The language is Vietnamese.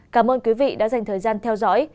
cảm ơn quý vị đã dành thời gian theo dõi